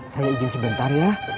saya izin sebentar ya